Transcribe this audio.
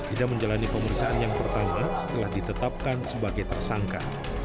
ida menjalani pemeriksaan yang pertama setelah ditetapkan sebagai tersangka